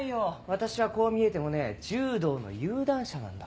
私はこう見えてもね柔道の有段者なんだから。